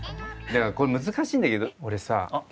だからこれ難しいんだけど俺さ。